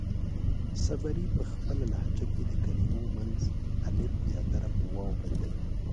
صبري پۀ خپله لهجه کې د کلمو منځ الف زياتره پۀ واو بدلوي.